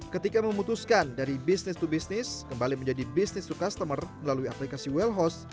ketika memutuskan dari bisnis to bisnis kembali menjadi bisnis to customer melalui aplikasi wellhouse